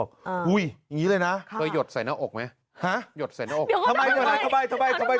คุณผู้ชมครับ